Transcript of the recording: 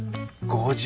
５０